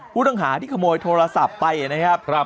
ผู้ต้องหาที่ขโมยโทรศัพท์ไปนะครับ